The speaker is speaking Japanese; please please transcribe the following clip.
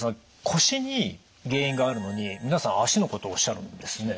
腰に原因があるのに皆さん足のことをおっしゃるんですね。